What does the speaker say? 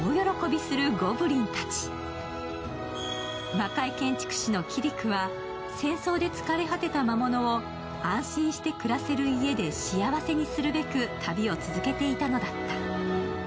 魔界建築士のキリクは戦争で疲れ果てた魔物を安心して暮らせる家で幸せにするべく旅を続けていたのだった。